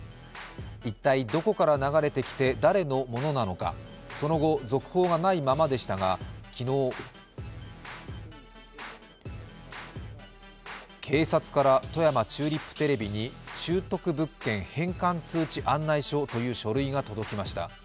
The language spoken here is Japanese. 一体どこから流れてきて誰のものなのか、その後、続報がないままでしたが昨日警察から富山チューリップテレビに拾得物件返還通知案内書という書類が届きました。